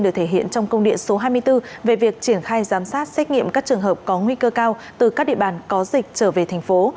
được thể hiện trong công điện số hai mươi bốn về việc triển khai giám sát xét nghiệm các trường hợp có nguy cơ cao từ các địa bàn có dịch trở về thành phố